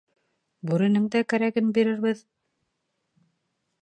— Бүренең дә кәрәген бирербеҙ!